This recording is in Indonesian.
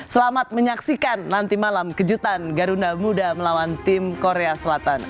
selamat menyaksikan nanti malam kejutan garuda muda melawan tim korea selatan